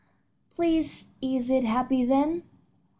"Please, is it happy, then?"